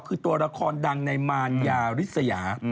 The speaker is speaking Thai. คือตัวละครดังในมารยาริสยา